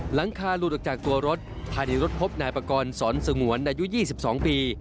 หลังคาหลุดออกจากตัวรถภายในรถพบนายปากรสอนสงวนอายุ๒๒ปี